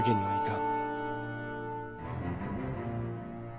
はい。